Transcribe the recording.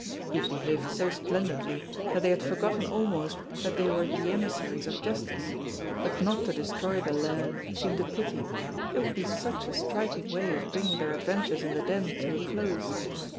He had behaved so splendidly that they had forgotten almost that they were the emissaries of justice, but not to destroy the Lair seemed a pity, it would be such a striking way of bringing their adventures in the Den to a close.